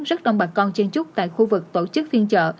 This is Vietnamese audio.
rất đông bà con chen chúc tại khu vực tổ chức phiên chợ